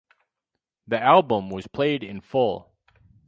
The album was played in full.